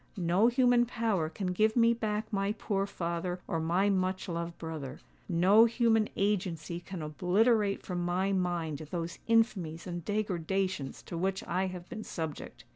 No human power can give me back my poor father or my much loved brother: no human agency can obliterate from my mind those infamies and degradations to which I have been subject.